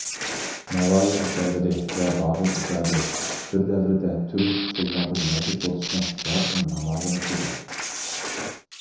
ناۋايى ئەسەرلىرى ۋە بابۇر ئىجادى بىر دەۋردە تۈرلۈك ئۇسۇللاردا مەۋجۇت بولۇشىنىڭ يارقىن نامايەندىسىدۇر.